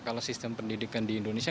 kalau sistem pendidikan di indonesia